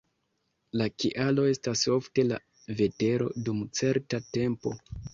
La kialo estas ofte la vetero dum certa tempo.